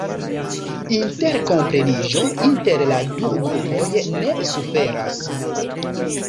Interkompreniĝo inter la du grupoj ne suferas.